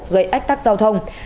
gây ách tắc giao thông